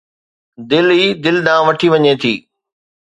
دل ئي دل ڏانهن وٺي وڃي ٿي